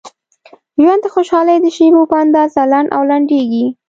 ژوند د خوشحالۍ د شیبو په اندازه لنډ او لنډیږي.